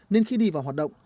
nên khi đi vào hoạt động